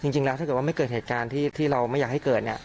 จริงแล้วถ้าเกิดว่าไม่เกิดเหตุการณ์ที่เราไม่อยากให้เกิดเนี่ย